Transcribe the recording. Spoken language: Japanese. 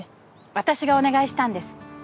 私がお願いしたんです。